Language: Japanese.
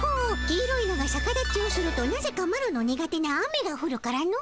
黄色いのがさか立ちをするとなぜかマロの苦手な雨がふるからの。